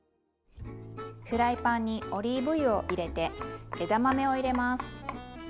フライパンにオリーブ油を入れて枝豆を入れます。